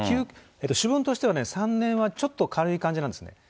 主文としては３年はちょっと軽い感じなんですね。